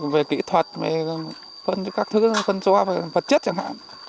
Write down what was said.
về kỹ thuật về phân chứa các thứ phân chứa vật chất